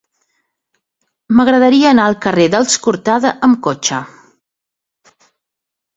M'agradaria anar al carrer dels Cortada amb cotxe.